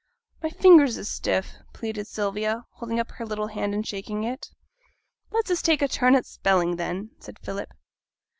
'My fingers is stiff,' pleaded Sylvia, holding up her little hand and shaking it. 'Let us take a turn at spelling, then,' said Philip.